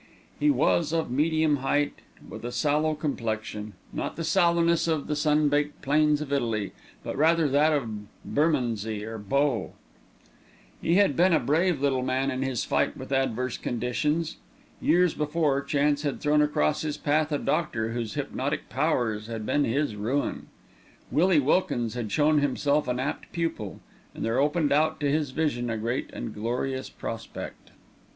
He was of medium height, with a sallow complexion not the sallowness of the sun baked plains of Italy, but rather that of Bermondsey or Bow. He had been a brave little man in his fight with adverse conditions. Years before, chance had thrown across his path a doctor whose hypnotic powers had been his ruin. Willie Wilkins had shown himself an apt pupil, and there opened out to his vision a great and glorious prospect.